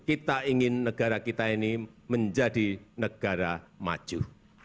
kita ingin negara kita ini menjadi negara maju